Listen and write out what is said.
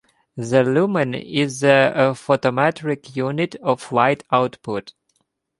The lumen is the photometric unit of light output.